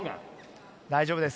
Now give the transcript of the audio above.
大丈夫です。